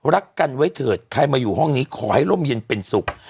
รักกันไว้เถิดใครมาอยู่ห้องนี้ขอให้ร่มเย็นเป็นสุข